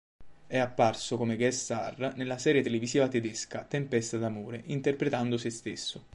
È apparso come "guest star" nella serie televisiva tedesca "Tempesta d'amore", interpretando se stesso.